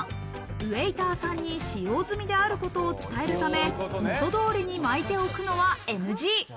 ウエイターさんに使用済みであることを伝えるため、元通りに巻いて置くのはＮＧ。